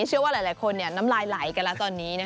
เชื่อว่าหลายคนน่าร่ายกันแล้วตอนนี้นะคะ